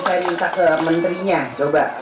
saya minta ke menterinya coba